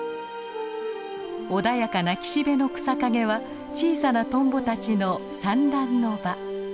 穏やかな岸辺の草陰は小さなトンボたちの産卵の場。